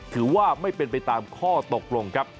ถือว่าไม่เป็นไปตามข้อตกลงครับ